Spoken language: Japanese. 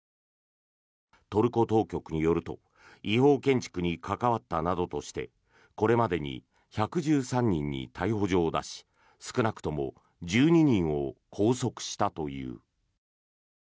トルコ当局によると違法建築に関わったなどとしてこれまでに１１３人に逮捕状を出し少なくとも１２人を拘束したという。